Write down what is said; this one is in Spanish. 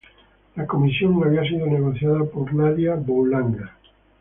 La comisión había sido negociada por Nadia Boulanger.